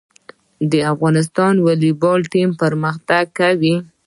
د افغانستان والیبال ټیم پرمختګ کوي